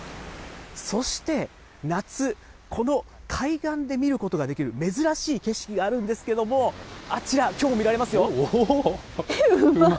そして夏、この海岸で見ることができる珍しい景色があるんですけれども、あちら、きょうも見られ馬？